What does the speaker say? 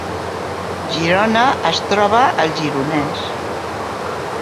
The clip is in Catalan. Girona es troba al Gironès